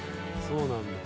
そうなんだ。